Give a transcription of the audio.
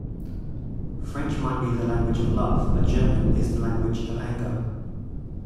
French might be the language of love, but German is the language of anger.